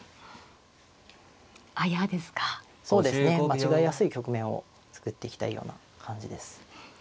間違いやすい局面を作っていきたいような感じです。